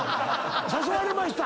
誘われました。